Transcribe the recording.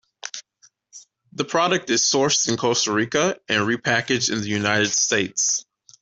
The product is sourced in Costa Rica and repackaged in the United States.